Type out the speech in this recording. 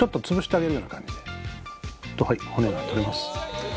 はい骨が取れます。